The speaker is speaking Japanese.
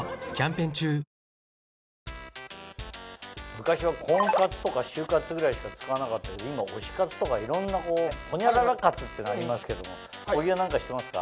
昔は婚活とか就活ぐらいしか使わなかったけど今推し活とかいろんなこうホニャララ活っていうのありますけども小木は何か知ってますか？